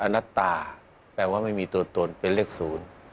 นัตตาแปลว่าไม่มีตัวตนเป็นเลขศูนย์